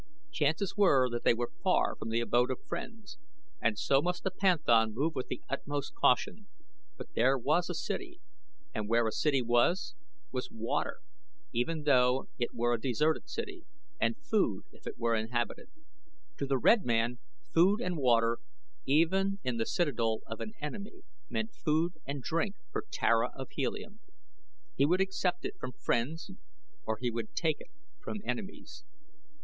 Chances were that they were far from the abode of friends and so must the panthan move with the utmost caution; but there was a city and where a city was, was water, even though it were a deserted city, and food if it were inhabited. To the red man food and water, even in the citadel of an enemy, meant food and drink for Tara of Helium. He would accept it from friends or he would take it from enemies.